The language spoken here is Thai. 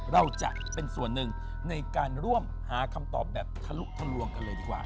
เราจะเป็นส่วนหนึ่งในการร่วมหาคำตอบแบบทะลุทะลวงกันเลยดีกว่า